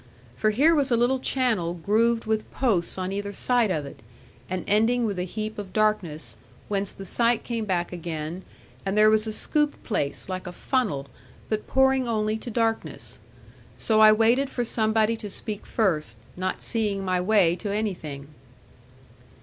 For here was a little channel grooved with posts on either side of it, and ending with a heap of darkness, whence the sight came back again; and there was a scooped place, like a funnel, but pouring only to darkness. So I waited for somebody to speak first, not seeing my way to anything.'